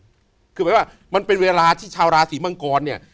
คือหมายว่ามันเป็นเวลาที่ชาวราศีมังกรเนี่ย